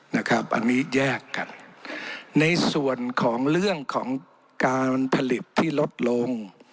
นะครับอันนี้แยกกันในส่วนของเรื่องของการผลิตที่ลดลง